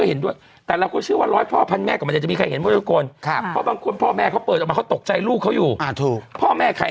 ช่องต้องซุกใส่กระดาษหนังสือพิมพ์เลย